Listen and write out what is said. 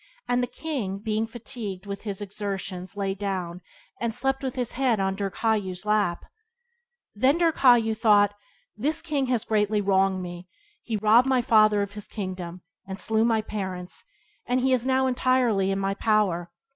And the king, being fatigued with his exertions, lay down, and slept with his head in Dirghayu's lap. Then Dirghayu thought: This king has greatly wronged me. He robbed my father of his kingdom, and slew my parents, and he is now entirely in my power."